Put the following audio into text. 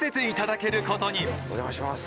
お邪魔します。